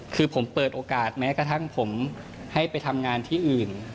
คือผมเปิดโอกาสแม้กระทั่งผมให้ไปทำงานที่อื่น